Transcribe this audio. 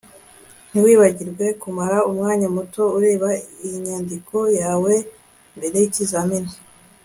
ntiwibagirwe kumara umwanya muto ureba inyandiko zawe mbere yikizamini